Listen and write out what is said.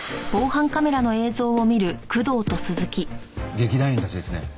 劇団員たちですね。